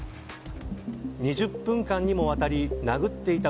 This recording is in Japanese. ２０分間にもわたり殴っていた